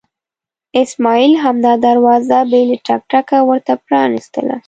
اسماعیل همدا دروازه بې له ټک ټکه ورته پرانستله.